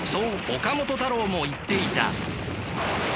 岡本太郎も言っていた。